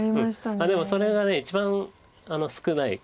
でもそれが一番少ない。